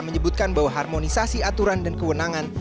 menyebutkan bahwa harmonisasi aturan dan kewenangan